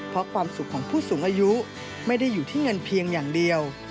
เพราะความสุขของผู้สูงอายุไม่ได้อยู่ที่เงินเพียงอย่างเดียว